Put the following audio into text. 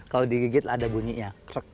kalau digigit ada bunyinya